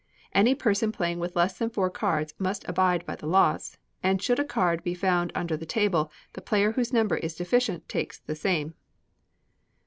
Any person playing with less than four cards must abide by the loss; and should a card be found under the table, the player whose number is deficient takes the same.